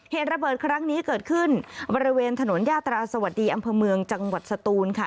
เหตุระเบิดครั้งนี้เกิดขึ้นบริเวณถนนยาตราสวัสดีอำเภอเมืองจังหวัดสตูนค่ะ